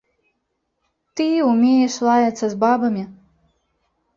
Ты ўмееш лаяцца з бабамі?